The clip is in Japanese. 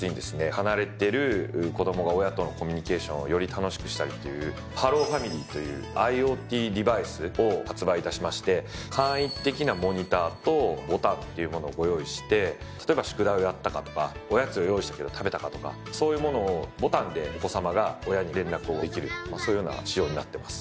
離れてる子供が親とのコミュニケーションをより楽しくしたいという「Ｈｅｌｌｏ！Ｆａｍｉｌｙ．」というＩｏＴデバイスを発売いたしまして簡易的なモニターとボタンっていうものをご用意して例えば「宿題をやったか」とか「おやつを用意したけど食べたか」とかそういうものをボタンでお子さまが親に連絡をできるそういうような仕様になってます。